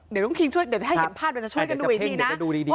เดี๋ยวถ้าเห็นพาดจะช่วยกันดูอีกทีนะ